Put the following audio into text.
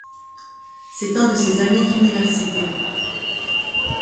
C'est un de ses amis d'université.